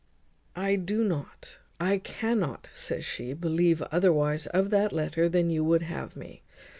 "I do not, I cannot," says she, "believe otherwise of that letter than you would have me.